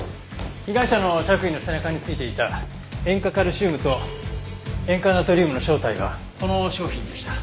被害者の着衣の背中に付いていた塩化カルシウムと塩化ナトリウムの正体がこの商品でした。